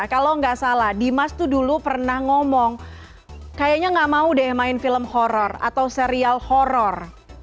kalau nggak salah dimas tuh dulu pernah ngomong kayaknya nggak mau deh main film horror atau serial horror